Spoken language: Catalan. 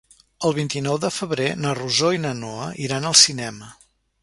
El vint-i-nou de febrer na Rosó i na Noa iran al cinema.